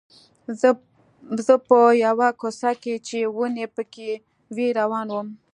زه په یوه کوڅه کې چې ونې پکې وې روان وم.